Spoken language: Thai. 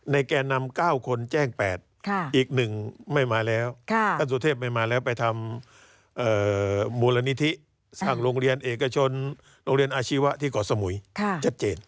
แก่นำ๙คนแจ้ง๘อีก๑ไม่มาแล้วท่านสุเทพไม่มาแล้วไปทำมูลนิธิสร้างโรงเรียนเอกชนโรงเรียนอาชีวะที่เกาะสมุยชัดเจน